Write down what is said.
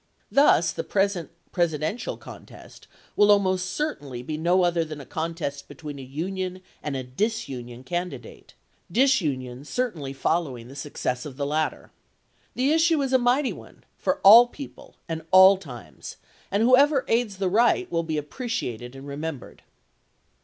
Thus, the present Presiden tial contest will almost certainly be no other than a contest between a union and a disunion candi date, disunion certainly following the success of 214 ABKAHAM LINCOLN chap. ix. the latter. The issue is a mighty one, for all people, Lincoln to and all times; and whoever aids the right will be wakeman, appreciated and remembered."